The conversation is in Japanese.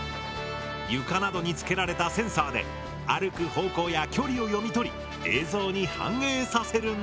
床などにつけられたセンサーで歩く方向や距離を読み取り映像に反映させるんだ。